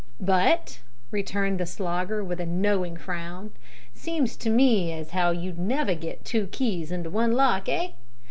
"But," returned the Slogger, with a knowing frown, "seems to me as how you'd never get two keys into one lock eh?